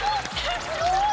すごい！